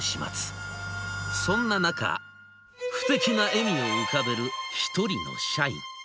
そんな中不敵な笑みを浮かべる一人の社員。